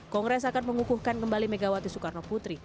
kongres akan mengukuhkan kembali megawati soekarno putri